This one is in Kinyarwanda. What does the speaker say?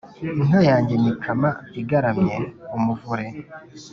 Inka yanjye nyikama igaramye:umuvure